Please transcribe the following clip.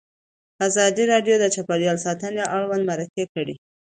ازادي راډیو د چاپیریال ساتنه اړوند مرکې کړي.